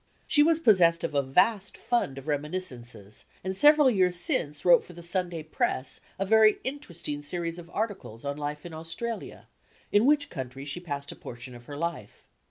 She was pos sessed of a vast fund of reminiscences and several years since wrote for the Sunday Press a very interesting series of articles on life in Australia, in which country she passed a portion of her life.